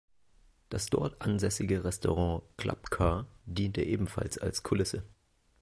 Das dort ansässige Restaurant "Club Car" diente ebenfalls als Kulisse.